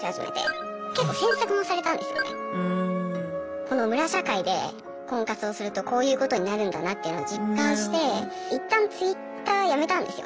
このムラ社会で婚活をするとこういうことになるんだなっていうのを実感して一旦Ｔｗｉｔｔｅｒやめたんですよ。